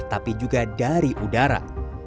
tapi juga dari udara